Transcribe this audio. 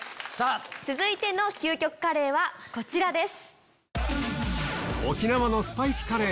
続いての究極カレーはこちらです。